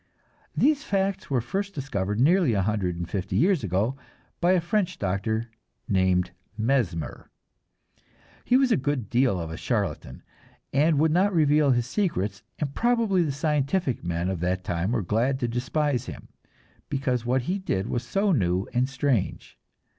These facts were first discovered nearly a hundred and fifty years ago by a French doctor named Mesmer. He was a good deal of a charlatan, and would not reveal his secrets, and probably the scientific men of that time were glad to despise him, because what he did was so new and strange.